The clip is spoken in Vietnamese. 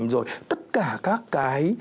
rồi tất cả các cái